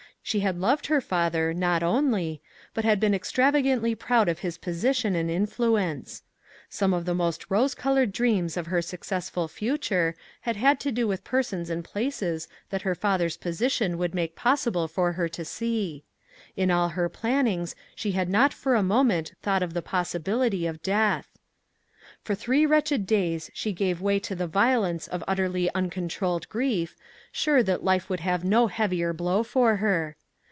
She had loved her father, not only, but had been extravagantly proud of his position and influence. Some of the' most rose colored dreams of her successful future had had to do with persons and places that her father's posi tion would make possible for her to see. In all her plannings she had not for a moment thought of the possibility of death. For three wretched days she gave way to the violence of utterly uncontrolled grief, sure that life could have no heavier blow for her.